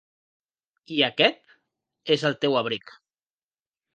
I aquest és el teu abric.